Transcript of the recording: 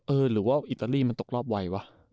หรือว่าอิตาลีมันตกรอบไววะ